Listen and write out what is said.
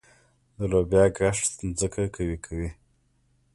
د لوبیا کښت ځمکه قوي کوي.